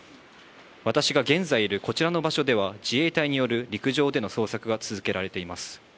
私が現在いるこちらの場所では、自衛隊による陸上での捜索が続けられています。